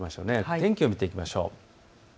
天気を見ていきましょう。